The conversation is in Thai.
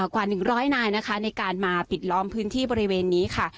กว่า๑๐๐นายนะคะในการมาปิดล้อมพื้นที่บริเวณนี้ค่ะ